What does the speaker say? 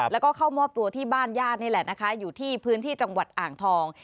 แล้วก็เข้ามอบตัวที่บ้านญาตินี่แหละนะคะอยู่ที่พื้นที่จังหวัดอ่างทอง